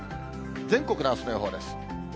全国のあすの予報です。